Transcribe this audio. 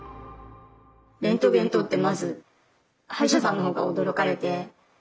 レントゲン撮ってまず歯医者さんの方が驚かれて。